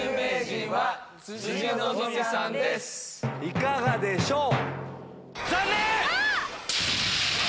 いかがでしょう？